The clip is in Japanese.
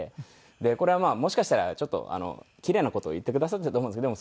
これはもしかしたらちょっと奇麗な事を言ってくださっていたと思うんですけど。